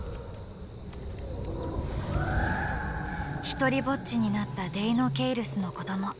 独りぼっちになったデイノケイルスの子ども